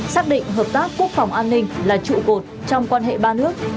xác định hợp tác quốc phòng an ninh là trụ cột trong quan hệ ba nước